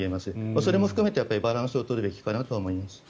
それも含めてバランスを取るべきかなとは思います。